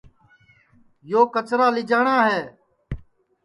یو کچرا لیجاٹؔا ہے